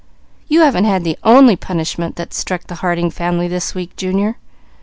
You haven't had the only punishment that's struck the Harding family this week, Junior.